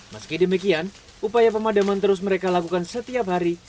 meski demikian upaya pemadaman terus mereka lakukan setiap hari